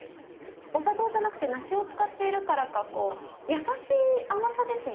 お砂糖じゃなくて梨を使っているからかやさしい甘さですね。